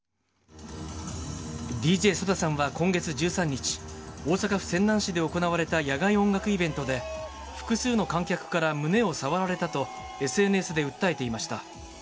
ＤＪソダさんは、今月１３日、大阪府泉南市で行われた野外音楽イベントで、複数の観客から胸を触られたとＳＮＳで訴えていました。